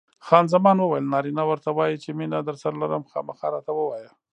خان زمان وویل: نارینه ورته وایي چې مینه درسره لرم؟ خامخا راته ووایه.